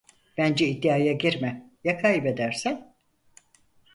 Bence iddiaya girme, ya kaybedersen?